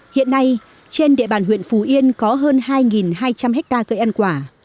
hiện nay trên địa bàn huyện phú yên có hơn hai hai trăm linh hectare cây ăn quả